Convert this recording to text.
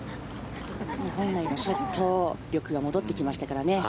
本来のショット力が戻ってきましたからね。